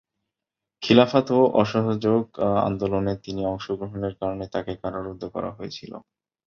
খিলাফত ও অসহযোগ আন্দোলনে তিনি অংশগ্রহণের কারণে তাকে কারারুদ্ধ করা হয়েছিল।